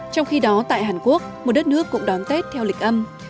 trong khi đó tại hàn quốc một đất nước cũng đón tết theo lịch âm